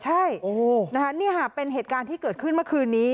ใช่นี่ค่ะเป็นเหตุการณ์ที่เกิดขึ้นเมื่อคืนนี้